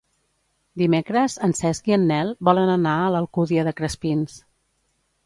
Dimecres en Cesc i en Nel volen anar a l'Alcúdia de Crespins.